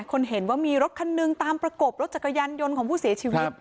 คนเห็นว่ามีรถคันหนึ่งตามประกบรถจักรยานยนต์ของผู้เสียชีวิต